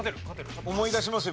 思い出しますよ。